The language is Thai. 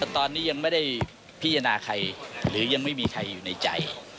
ตอนนี้ยังไม่ได้พิจารณาใครหรือยังไม่มีใครอยู่ในใจ